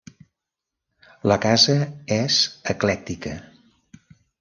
La casa és eclèctica.